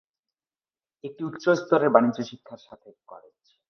একটি উচ্চ স্তরের বাণিজ্য শিক্ষার সাথে কলেজ।